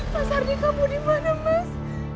mas ardi kamu di mana mas